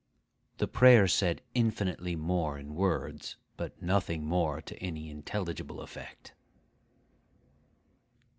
The prayer said infinitely more in words, but nothing more to any intelligible effect.